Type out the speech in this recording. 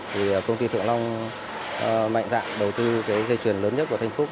thì công ty thượng long mạnh dạng đầu tư cái dây chuyền lớn nhất của thanh phúc